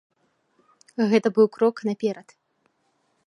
Гэта быў крок наперад.